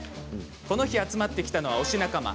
この日、集まってきたのは推し仲間。